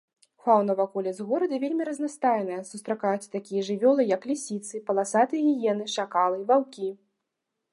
Фаўна ваколіц горада вельмі разнастайная, сустракаюцца такія жывёлы як лісіцы, паласатыя гіены, шакалы, ваўкі.